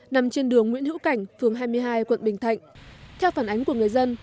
nằm trên đường nguyễn hữu cảnh phường hai mươi hai quận bình thạnh theo phản ánh của người dân